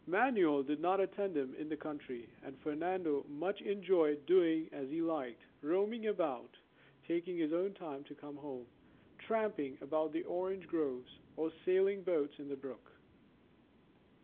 Manuel did not attend him in the country, and Fernando much enjoyed doing as he liked, roaming about, taking his own time to come home, tramping about the orange groves, or sailing boats in the brook.